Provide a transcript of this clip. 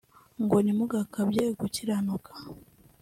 ngo nti mugakabye gukiranuka